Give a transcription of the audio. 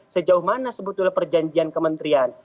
sejauh mana sebetulnya perjanjian kementerian